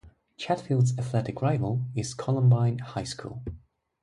Chatfield's athletic rival is Columbine High School.